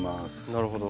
なるほど。